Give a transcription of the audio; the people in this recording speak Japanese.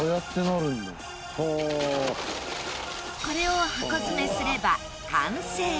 これを箱詰めすれば完成。